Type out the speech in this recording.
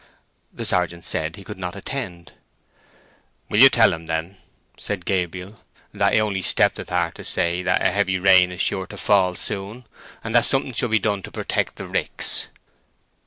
The sergeant said he could not attend. "Will you tell him, then," said Gabriel, "that I only stepped ath'art to say that a heavy rain is sure to fall soon, and that something should be done to protect the ricks?"